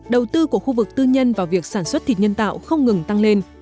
đầu tư của khu vực tư nhân vào việc sản xuất thịt nhân tạo không ngừng tăng lên